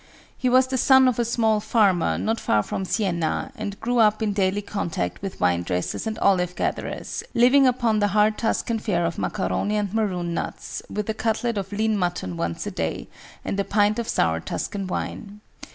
He was the son of a small farmer, not far from Sienna, and grew up in daily contact with vine dressers and olive gatherers, living upon the hard Tuscan fare of macaroni and maroon nuts, with a cutlet of lean mutton once a day, and a pint of sour Tuscan wine.